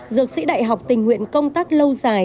dược sĩ đại học tình nguyện công tác lâu dài